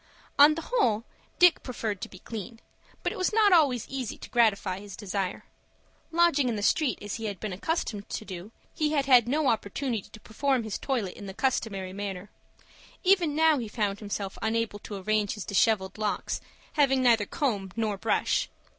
On the whole, Dick preferred to be clean, but it was not always easy to gratify his desire. Lodging in the street as he had been accustomed to do, he had had no opportunity to perform his toilet in the customary manner. Even now he found himself unable to arrange his dishevelled locks, having neither comb nor brush.